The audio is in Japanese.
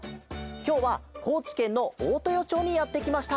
きょうはこうちけんのおおとよちょうにやってきました。